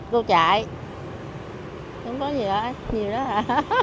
cô chạy không có gì đó nhiều đó hả